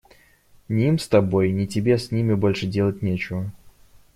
Ни им с тобою, ни тебе с ними больше делать нечего.